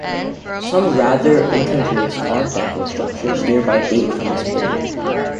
Some rather incongruous Art Deco structures nearby date from this period.